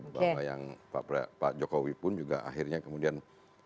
bahwa yang pak jokowi pun juga akhirnya kemudian